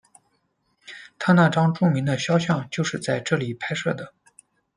他那张著名的肖像就是在这里拍摄的。